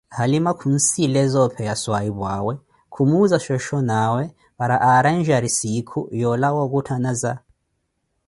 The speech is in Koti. Halima khunssileza opheya swahiphu'awe Khumuza shoshonawe pára aranjari siikhu yoolawa okhutanaza